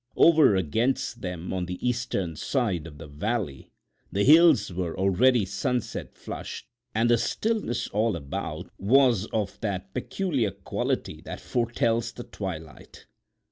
Over against them on the eastern side of the valley the hills were already sunset flushed and the stillness all about was of that peculiar quality that foretells the twilight.